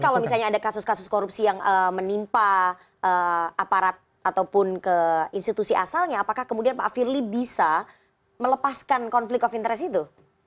tapi kalau misalnya ada kasus kasus korupsi yang menimpa aparat ataupun ke institusi asalnya apakah kemudian pak firly bisa melepaskan konflik of interest itu